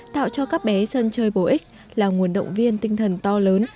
tạo cho các bé sân chơi bổ ích là nguồn động viên tinh thần to lớn